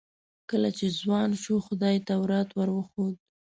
کله چې ځوان شو خدای تورات ور وښود.